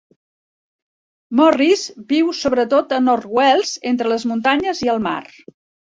Morris viu sobretot a North Wales, entre les muntanyes i el mar.